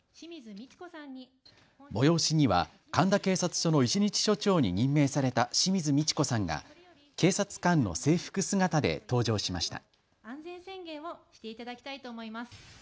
催しには神田警察署の一日署長に任命された清水ミチコさんが警察官の制服姿で登場しました。